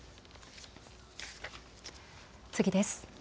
次です。